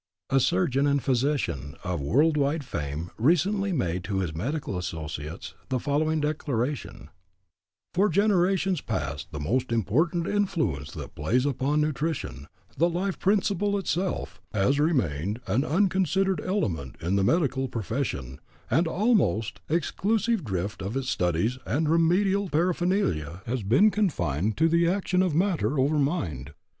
A surgeon and physician of world wide fame recently made to his medical associates the following declaration: "For generations past the most important influence that plays upon nutrition, the life principle itself, has remained an unconsidered element in the medical profession, and the almost exclusive drift of its studies and remedial paraphernalia has been confined to the action of matter over mind.